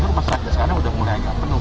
rumah sakit sekarang udah mulai agak penuh